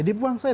ya dibuang saja